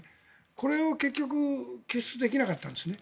これを結局救出できなかったんですね。